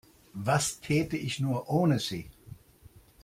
Was täte ich nur ohne Sie?